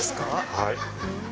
はい。